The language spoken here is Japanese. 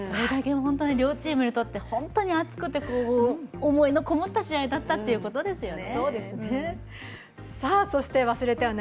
両チームにとって、本当に熱くて思いのこもった試合だったということですね。